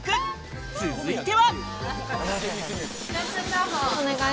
続いては。